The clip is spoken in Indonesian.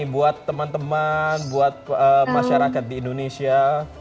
buat teman teman buat masyarakat di indonesia